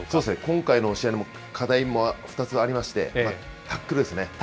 今回の試合での課題も２つありまして、タックルですね。